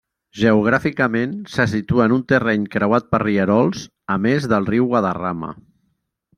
Geogràficament, se situa en un terreny creuat per rierols, a més del riu Guadarrama.